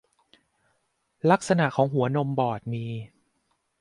ลักษณะของหัวนมบอดมี